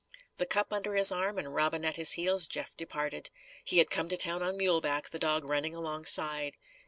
The cup under his arm and Robin at his heels, Jeff departed. He had come to town on mule back, the dog running alongside.